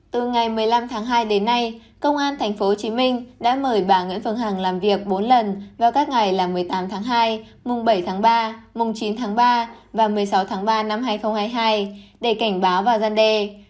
từ ngày một mươi năm tháng hai đến nay công an tp hcm đã mời bà nguyễn phương hằng làm việc bốn lần vào các ngày là một mươi tám tháng hai mùng bảy tháng ba mùng chín tháng ba và một mươi sáu tháng ba năm hai nghìn hai mươi hai để cảnh báo và gian đe